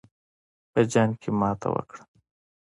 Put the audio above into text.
په جنګ کې ماته وکړه.